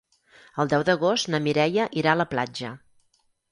El deu d'agost na Mireia irà a la platja.